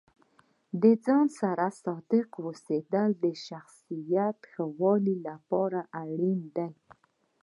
د ځان سره صادق اوسیدل د شخصیت ښه کولو لپاره اړین دي.